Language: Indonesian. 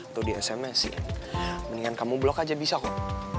atau di sms mendingan kamu blok aja bisa kok